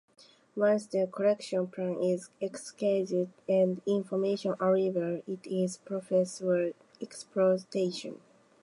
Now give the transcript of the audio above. Once the collection plan is executed and information arrives, it is processed for exploitation.